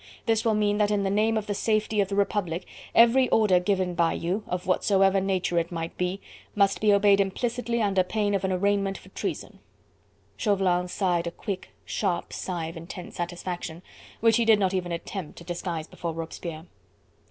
This will mean that in the name of the safety of the Republic every order given by you, of whatsoever nature it might be, must be obeyed implicitly under pain of an arraignment for treason." Chauvelin sighed a quick, sharp sigh of intense satisfaction, which he did not even attempt to disguise before Robespierre.